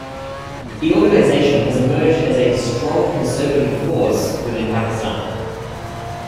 The organization has emerged as a "strong conservative force" within Pakistan.